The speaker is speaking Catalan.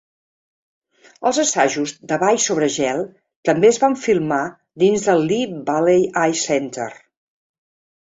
Els assajos de ball sobre gel també es van filmar dins del Lee Valley Ice Center.